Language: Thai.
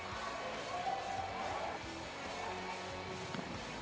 สวัสดีทุกคน